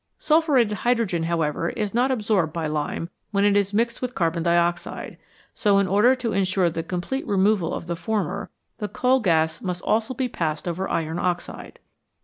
Sulphuretted hydrogen, however, is not absorbed by lime when it is mixed with carbon dioxide, so in order to insure the complete removal of the former the coal gas must also be passed over iron oxide.